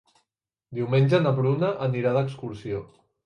Diumenge na Bruna anirà d'excursió.